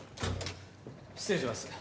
失礼します。